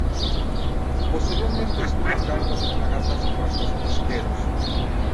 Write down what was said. Posteriormente estuvo a cargo de fragatas y barcos pesqueros.